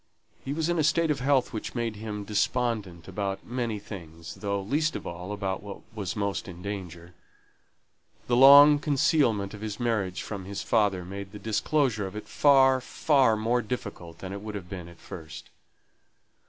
He was in a state of health which made him despondent about many things, though, least of all, about what was most in danger. The long concealment of his marriage from his father made the disclosure of it far, far more difficult than it would have been at first.